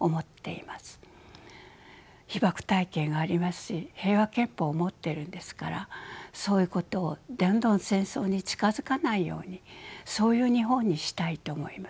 被爆体験ありますし平和憲法を持ってるんですからそういうことをどんどん戦争に近づかないようにそういう日本にしたいと思います。